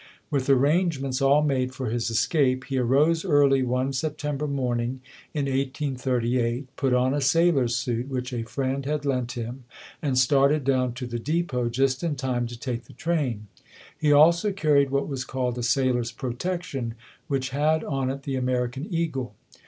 With arrangements all made for his escape, he arose early one September morning in 1838, put on a sailor's suit which a friend had lent him and started down to the depot just in time to take the train. He also carried what was called a sailor's protection, which had on it the American eagle.